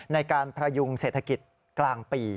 ในการพยุงเศรษฐกิจกลางปี